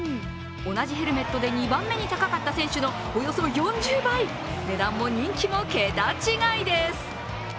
同じヘルメットで２番目に高かった選手のおよそ４０倍、値段も人気も桁違いです。